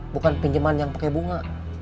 bukan pinjaman yang pakai bunga